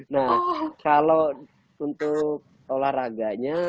nah kalau untuk olahraganya